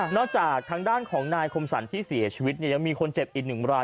จากทางด้านของนายคมสรรที่เสียชีวิตเนี่ยยังมีคนเจ็บอีกหนึ่งราย